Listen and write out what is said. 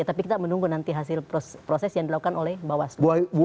tapi kita menunggu nanti hasil proses yang dilakukan oleh bawaslu